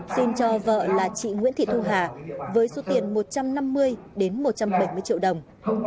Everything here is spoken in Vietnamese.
xin cho vợ là chị nguyễn thị thu hà với số tiền một trăm năm mươi đến một trăm bảy mươi triệu đồng